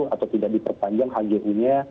atau tidak diperpanjang hgu nya